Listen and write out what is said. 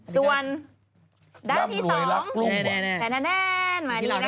ส่วนด้านที่สองแน่นหมายนี้นะคะ